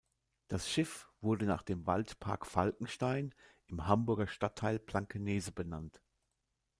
Das Schiff wurde nach dem Waldpark Falkenstein im Hamburger Stadtteil Blankenese benannt.